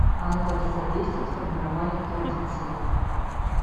Оно также содействует формированию традиции.